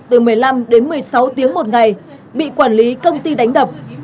từ một mươi năm đến một mươi sáu tiếng một ngày bị quản lý công ty đánh đập